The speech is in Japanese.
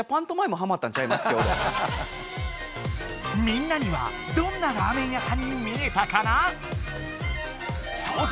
みんなにはどんなラーメン屋さんに見えたかな？